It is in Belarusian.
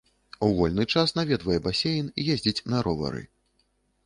У вольны час наведвае басейн, ездзіць на ровары.